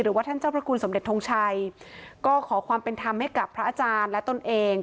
ท่านเจ้าพระคุณสมเด็จทงชัยก็ขอความเป็นธรรมให้กับพระอาจารย์และตนเอง